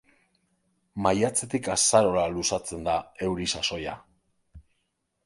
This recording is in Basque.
Maiatzetik azarora luzatzen da euri sasoia.